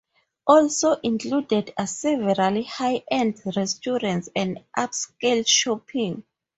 Also included are several high-end restaurants and upscale shopping.